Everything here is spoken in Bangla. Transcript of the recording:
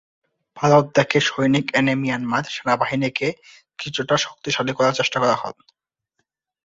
ভারত থেকে সৈনিক এনে মিয়ানমার সেনাবাহিনীকে কিছুটা শক্তিশালী করার চেষ্টা করা হয়।